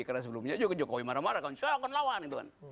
karena sebelumnya juga jokowi marah marah saya akan lawan